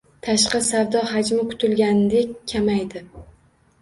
Tashqi savdo hajmi kutilganidek kamaydi